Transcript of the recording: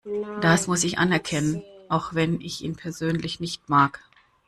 Das muss ich anerkennen, auch wenn ich ihn persönlich nicht mag.